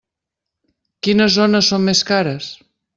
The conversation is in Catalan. Quines zones són més cares?